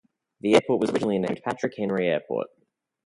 The airport was originally named Patrick Henry Airport.